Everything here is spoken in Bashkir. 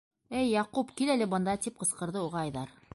- Эй, Яҡуп, кил әле бында! — тип ҡысҡырҙы уға Айҙар.